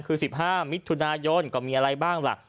คือ๑๕มิถุนายนก็มีอะไรบ้างล่ะ